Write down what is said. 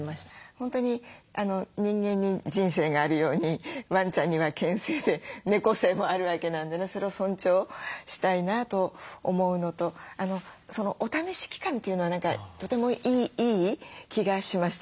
本当に人間に「人生」があるようにワンちゃんには「犬生」で「猫生」もあるわけなんでそれを尊重したいなと思うのとお試し期間というのは何かとてもいい気がしました。